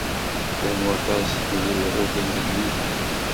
Llan waṭas n wulɣuten deg YouTube.